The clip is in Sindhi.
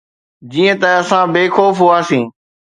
جيئن ته اسان بي خوف هئاسين.